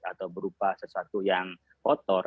atau berupa sesuatu yang kotor